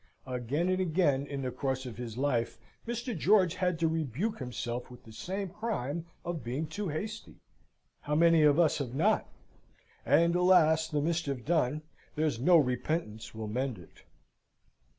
Again and again, in the course of his life, Mr. George had to rebuke himself with the same crime of being too hasty. How many of us have not? And, alas, the mischief done, there's no repentance will mend it.